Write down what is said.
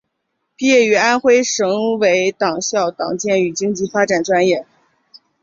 毕业于安徽省委党校党建与经济发展专业。